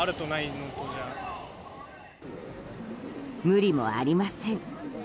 無理もありません。